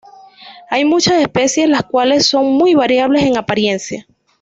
Hay muchas especies, las cuales son muy variables en apariencia.